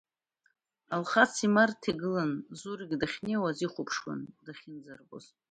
Алхаси Марҭеи гыланы, Зурик дахьнеиуаз, ихәаԥшуан дахьынӡарбоз.